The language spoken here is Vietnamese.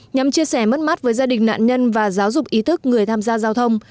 nhằm chia sẻ mất mát với gia đình nạn nhân và giáo dục ý thức người tham gia giao thông